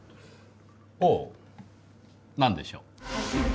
ほう、何でしょう？